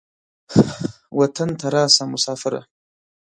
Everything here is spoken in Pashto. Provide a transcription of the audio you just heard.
وطن ته راسه مسافره.